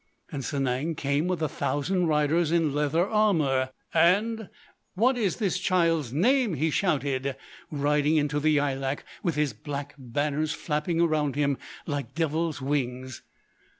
And Sanang came with a thousand riders in leather armour. And, 'What is this child's name?' he shouted, riding into the Yaïlak with his black banners flapping around him like devil's wings.